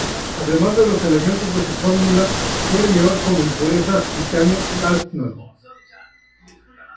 Además de los elementos de su fórmula, suele llevar como impurezas: titanio y hafnio.